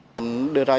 đưa ra giá thẳng